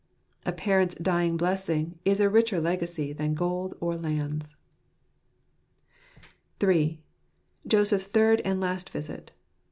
A parent's dying blessing is a richer legacy than gold or lands. III. Joseph's Third and Last Visit.